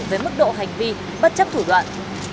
với mức độ hành vi bất chấp thủ đoạn